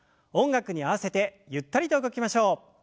音楽に合わせてゆったりと動きましょう。